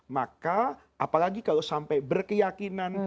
maka apalagi kalau sampai berkeyakinan